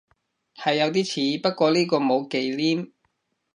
係有啲似，不過呢個冇忌廉